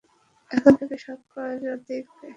এখন থেকে সব কাজ ও দেখবে।